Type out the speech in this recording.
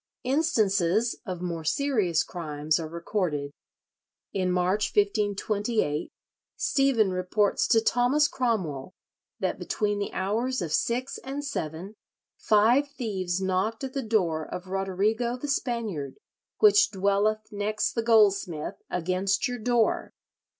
Instances of more serious crimes are recorded. In March, 1528, Stephen reports to Thomas Cromwell that between the hours of six and seven, "five thieves knocked at the door of Roderigo the Spaniard, which dwelleth next the goldsmith against your door.